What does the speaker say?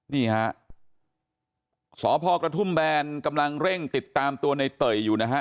นี่ฮะสพกระทุ่มแบนกำลังเร่งติดตามตัวในเตยอยู่นะฮะ